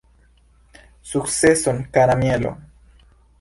Sukceson kara Mielo!